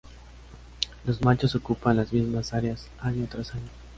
Los machos ocupan las mismas áreas año tras año.